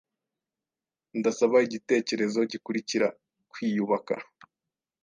Ndasaba igitekerezo gikurikira Kwiyubaka